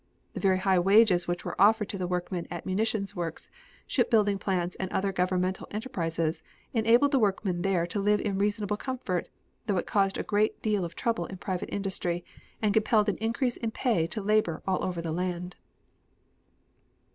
The very high wages which were offered to the workmen at munitions works, ship building plants and other governmental enterprises enabled the workmen there to live in reasonable comfort, though it caused a great deal of trouble in private industry, and compelled an increase in pay to labor all over the land.